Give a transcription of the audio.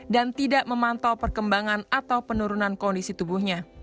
dan tidak memantau perkembangan atau penurunan kondisi isoman